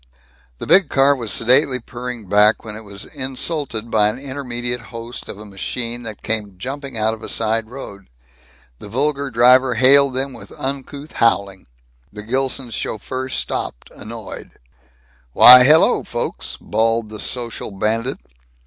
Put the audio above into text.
The big car was sedately purring back when it was insulted by an intermediate host of a machine that came jumping out of a side road. The vulgar driver hailed them with uncouth howling. The Gilsons' chauffeur stopped, annoyed. "Why, hello folks," bawled the social bandit.